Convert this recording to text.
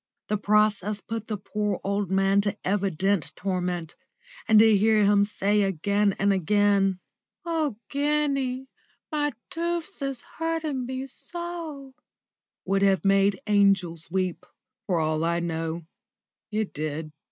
The process put the poor old man to evident torment, and to hear him say again and again: "Oh, ganny, my toofs is hurtin' me so," would have made angels weep. For all I know it did.